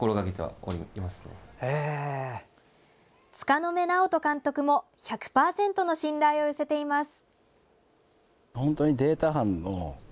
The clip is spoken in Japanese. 柄目直人監督も１００％の信頼を寄せています。